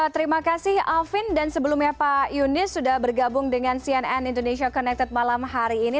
terima kasih alvin dan sebelumnya pak yunis sudah bergabung dengan cnn indonesia connected malam hari ini